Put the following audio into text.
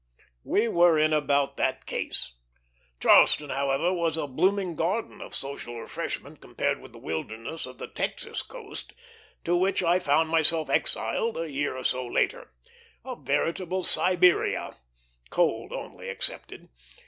We were in about that case. Charleston, however, was a blooming garden of social refreshment compared with the wilderness of the Texas coast, to which I found myself exiled a year or so later; a veritable Siberia, cold only excepted.